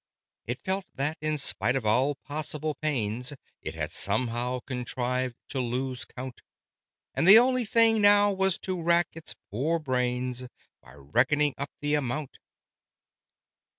It felt that, in spite of all possible pains, It had somehow contrived to lose count, And the only thing now was to rack its poor brains By reckoning up the amount.